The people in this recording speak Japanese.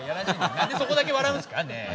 何でそこだけ笑うんですかねえ。